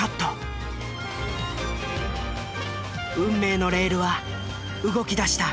運命のレールは動きだした。